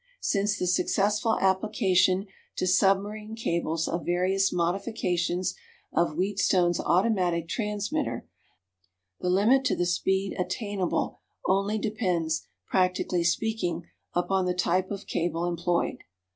Since the successful application to submarine cables of various modifications of Wheatstone's automatic transmitter, the limit to the speed attainable only depends, practically speaking, upon the type of cable employed.